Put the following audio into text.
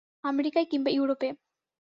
আমেরিকায় কিংবা ইউরোপে।